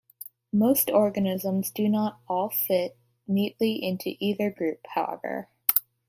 Most organisms do not all fit neatly into either group, however.